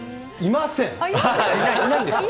いないんですか？